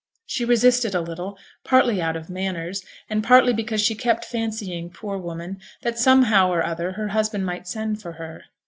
She resisted a little, partly out of 'manners,' and partly because she kept fancying, poor woman, that somehow or other her husband might send for her.